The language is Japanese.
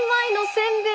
せんべい？